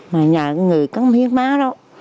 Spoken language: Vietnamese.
mà nhà người khăn hiếm máu đó